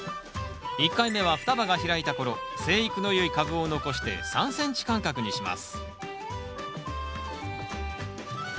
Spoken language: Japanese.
１回目は双葉が開いた頃生育のよい株を残して３ｃｍ間隔にします。